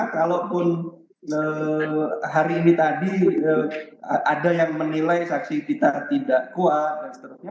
kalaupun hari ini tadi ada yang menilai saksi kita tidak kuat dan seterusnya